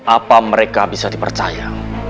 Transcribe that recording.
apa mereka bisa dipercaya